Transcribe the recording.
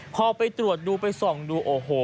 พอไปตรวจดูไปส่องดูโอ้โห